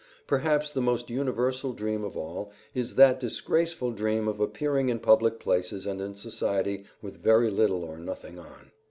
Perhaps the most universal dream of all is that disgraceful dream of appearing in public places and in society with very little or nothing on.